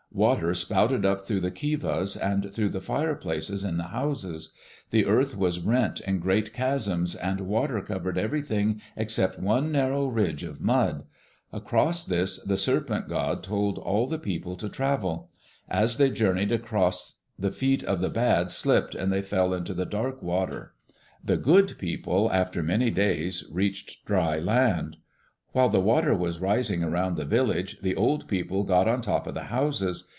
Water spouted up through the kivas and through the fire places in the houses. The earth was rent in great chasms, and water covered everything except one narrow ridge of mud. Across this the Serpent god told all the people to travel. As they journeyed across, the feet of the bad slipped and they fell into the dark water. The good people, after many days, reached dry land. While the water was rising around the village, the old people got on top of the houses.